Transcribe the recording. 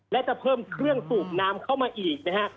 และจะเพิ่มเครื่องสูบน้ำเข้ามาอีกนะฮะ